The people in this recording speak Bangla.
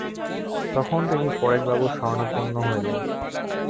তখন তিনি পরেশবাবুর শরণাপন্ন হইলেন।